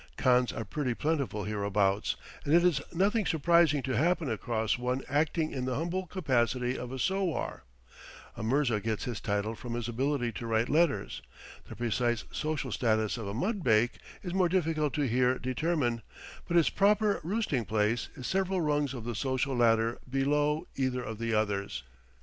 Khans are pretty plentiful hereabouts, and it is nothing surprising to happen across one acting in the humble capacity of a sowar; a mirza gets his title from his ability to write letters; the precise social status of a mudbake is more difficult to here determine, but his proper roosting place is several rungs of the social ladder below either of the others.